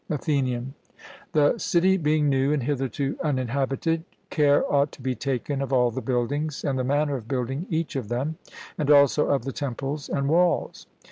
ATHENIAN: The city being new and hitherto uninhabited, care ought to be taken of all the buildings, and the manner of building each of them, and also of the temples and walls.